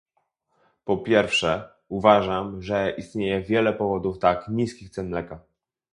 Po pierwsze, uważam, że istnieje wiele powodów tak niskich cen mleka